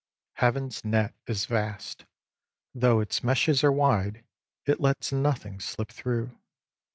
Heaven's net is vast; though its meshes are wide, it lets nothing slip through.